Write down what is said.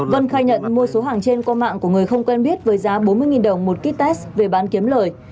vân khai nhận mua số hàng trên qua mạng của người không quen biết với giá bốn mươi đồng một kích xét nghiệm covid một mươi chín về bán kiếm lời